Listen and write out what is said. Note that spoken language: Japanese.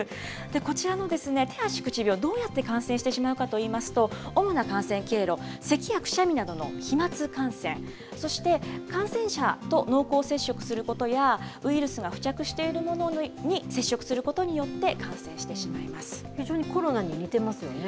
こちらの手足口病、どうやって感染してしまうかといいますと、主な感染経路、せきやくしゃみなどの飛まつ感染、そして、感染者と濃厚接触することや、ウイルスが付着しているものに接触することによって感染してしま非常にコロナに似てますよね。